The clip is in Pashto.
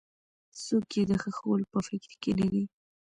څوک یې د ښخولو په فکر کې نه دي.